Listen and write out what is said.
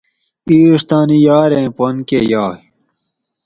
اِیڄ تانی یاریں پن کہ یائ